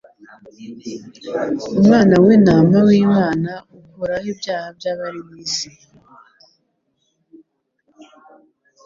"Umwana w'intama w'Imana ukuraho ibyaha by'abari mu isi,"